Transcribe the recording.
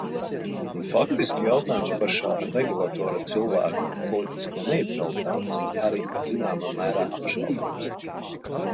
Un faktiski jautājums par šā regulatora cilvēku politisko neitralitāti ir arī zināmā mērā apšaubāms.